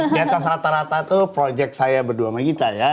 di atas rata rata itu project saya berdua sama kita ya